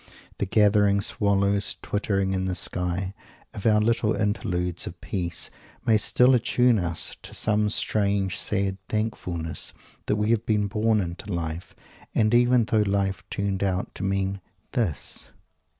The "gathering swallows twittering in the sky" of our little interludes of peace may still attune us to some strange, sad thankfulness that we have been born into life, even though life turned out to mean _this!